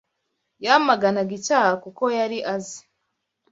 Yamaganaga icyaha kuko yari azi